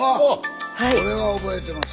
これは覚えてます。